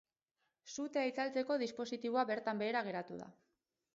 Sutea itzaltzeko dispositiboa bertan behera geratu da.